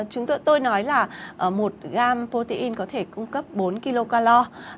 chúng tôi nói là một gam protein có thể cung cấp bốn kilocalor